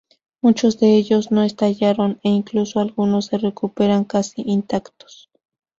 Muchos de ellos no estallaron, e incluso algunos se recuperaron casi intactos.